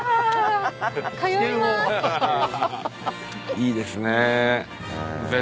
いいですね。